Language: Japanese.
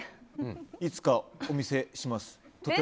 いつかお見せします。